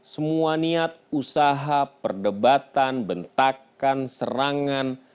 semua niat usaha perdebatan bentakan serangan